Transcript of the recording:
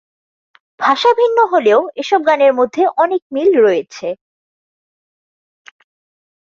ভাষা ভিন্ন হলেও এসব গানের মধ্যে অনেক মিল রয়েছে।